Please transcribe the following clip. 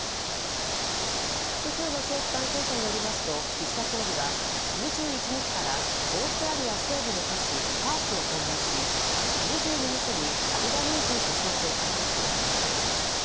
複数の政府関係者によりますと岸田総理は２１日からオーストラリア西部の都市パースを訪問し２２日に、アルバニージー首相と会談する方向です。